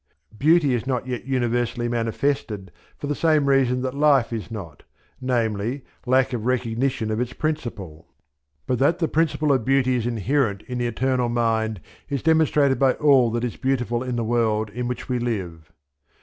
Beauty is not yet universally manifested for the same reason that Life is not, namely, lack of recognition of its Principle; but, that the principle of Beauty is inherent in the Eternal Mind is demonstrated by all that is beautiful in the world in which we live.